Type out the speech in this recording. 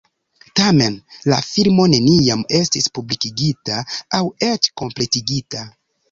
Tamen, la filmo neniam estis publikigita aŭ eĉ kompletigita.